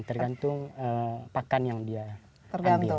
tergantung pakan yang dia ambil